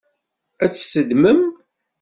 Ad tt-teddmem?